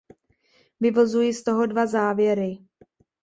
Vyvozuji z toho dva závěry.